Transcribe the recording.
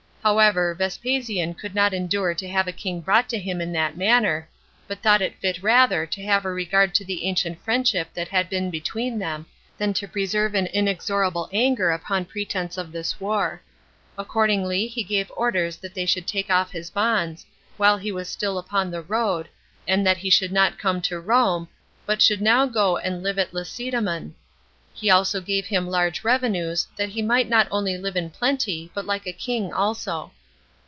However, Vespasian could not endure to have a king brought to him in that manner, but thought it fit rather to have a regard to the ancient friendship that had been between them, than to preserve an inexorable anger upon pretense of this war. Accordingly, he gave orders that they should take off his bonds, while he was still upon the road, and that he should not come to Rome, but should now go and live at Lacedemon; he also gave him large revenues, that he might not only live in plenty, but like a king also.